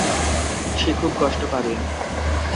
সে খুব কষ্ট পাবে।